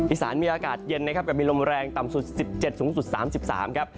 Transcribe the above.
อีสานมีอากาศเย็นนะครับกับมีลมแรงต่ำสุด๑๗๓๓องศา